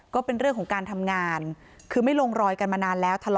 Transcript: ก็เป็นเรื่องของการทำงานคือไม่ลงรอยกันมานานแล้ว